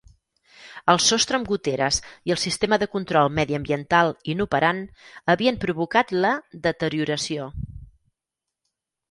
El sostre amb goteres i el sistema de control mediambiental inoperant havien provocat la deterioració.